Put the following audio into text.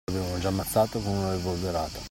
Lo avevano già ammazzato con una rivoltellata.